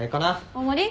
大盛り？